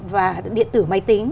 và điện tử máy tính